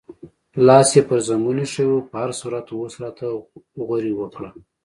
لاس یې پر زنګون ایښی و، په هر صورت اوس راته غورې وکړه.